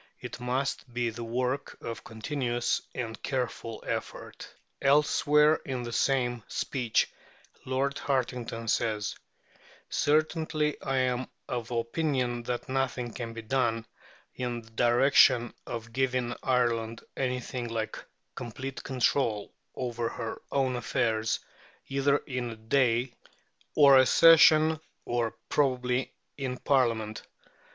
It must be the work of continuous and careful effort." Elsewhere in the same speech Lord Hartington says: "Certainly I am of opinion that nothing can be done in the direction of giving Ireland anything like complete control over her own affairs either in a day, or a session, or probably in a Parliament."